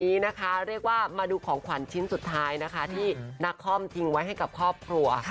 วันนี้นะคะเรียกว่ามาดูของขวัญชิ้นสุดท้ายนะคะที่นักคอมทิ้งไว้ให้กับครอบครัว